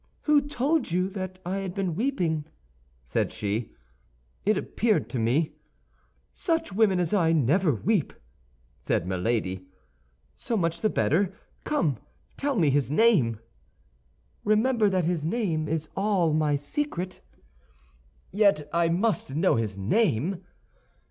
"Who told you that I had been weeping?" said she. "It appeared to me—" "Such women as I never weep," said Milady. "So much the better! Come, tell me his name!" "Remember that his name is all my secret." "Yet I must know his name."